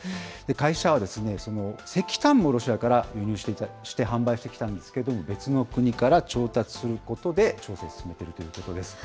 会社は石炭もロシアから輸入して販売してきたんですけれども、別の国から調達することで調整を進めているということです。